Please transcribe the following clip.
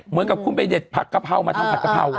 เหมือนกับกูเป็นเด็บผักกะเพรามาทำผักกะเพราอ่ะ